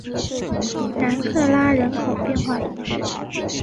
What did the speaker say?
然克拉人口变化图示